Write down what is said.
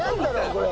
これ。